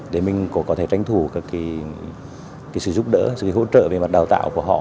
để mình có thể tranh thủ các sự giúp đỡ sự hỗ trợ về mặt đào tạo của họ